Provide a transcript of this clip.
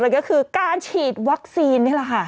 ก็คือการฉีดวัคซีนนี่แหละค่ะ